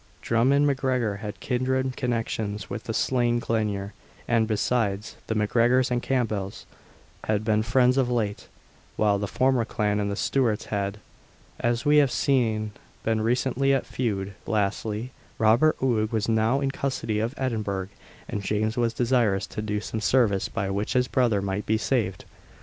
Drummond MacGregor had kindred connections with the slain Glenure; and, besides, the MacGregors and Campbells had been friends of late, while the former clan and the Stewarts had, as we have seen, been recently at feud; lastly, Robert Oig was now in custody at Edinburgh, and James was desirous to do some service by which his brother might be saved.